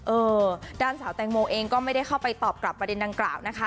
เออด้านสาวแตงโมเองก็ไม่ได้เข้าไปตอบกลับประเด็นดังกล่าวนะคะ